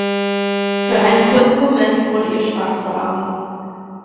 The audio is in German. Für einen kurzen Moment wurde ihr schwarz vor Augen.